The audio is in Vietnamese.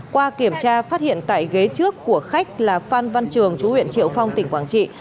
qua kiểm tra phát hiện tại ghế trước của khách là phan văn trường chú huyện triệu phong tỉnh quảng trị